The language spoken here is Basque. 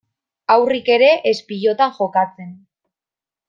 Haurrik ere ez pilotan jokatzen.